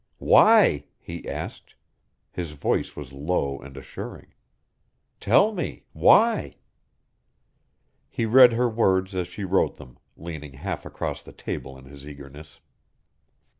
"Why?" he asked. His voice was low and assuring. "Tell me why?" He read her words as she wrote them, leaning half across the table in his eagerness.